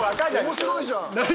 面白いじゃん。